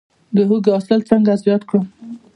د هوږې حاصل څنګه زیات کړم؟